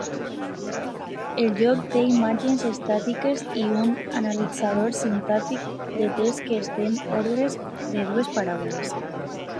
El joc té imatges estàtiques i un analitzador sintàctic de texts que entén ordres de dues paraules.